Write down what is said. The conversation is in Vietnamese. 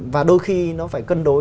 và đôi khi nó phải cân đối